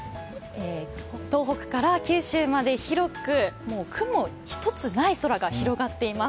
東北から九州まで広く、雲一つない空が広がっています。